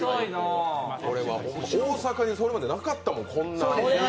大阪にそれまでなかったもん。